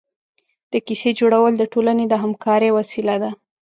د کیسې جوړول د ټولنې د همکارۍ وسیله ده.